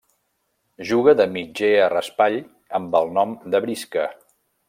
Juga de mitger a raspall amb el nom de Brisca.